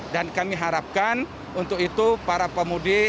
dan kami harapkan untuk itu para pemudi